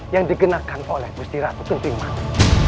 yang digenakan oleh gusti ratu kendermani